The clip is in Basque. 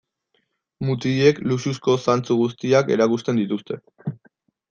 Mutilek luxuzko zantzu guztiak erakusten dituzte.